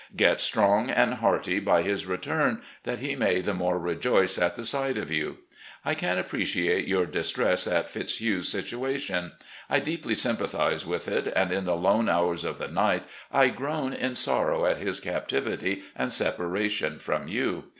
Get strong and hearty by his return, that he may the more rejoice at the sight of you. ... I can appreciate your distress at Fitzhugh's sittiation. I deeply sympathise with it, and in the lone hours of the night I groan in sorrow at his captivity and separation from you.